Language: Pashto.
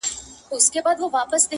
لهشاوردروميګناهونهيېدلېپاتهسي.